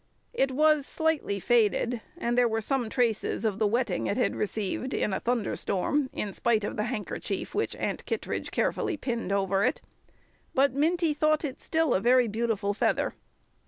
It was slightly faded, and there were some traces of the wetting it had received in a thunderstorm in spite of the handkerchief which Aunt Kittredge carefully pinned over it; but Minty thought it still a very beautiful feather.